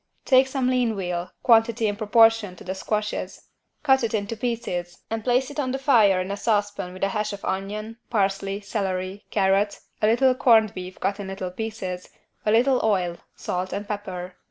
Take some lean veal (quantity in proportion to the squashes) cut it into pieces and place it on the fire in a saucepan with a hash of onion, parsley, celery, carrot, a little corned beef cut in little pieces, a little oil, salt and pepper.